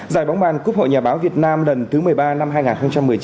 giải bóng bàn cúc hội nhà báo việt nam lần thứ một mươi ba năm hai nghìn một mươi chín